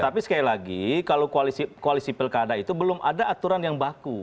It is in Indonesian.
tapi sekali lagi kalau koalisi pilkada itu belum ada aturan yang baku